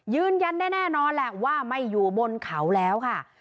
ยืนยันแน่นอนแหละว่าไม่อยู่บนเขาแล้วค่ะ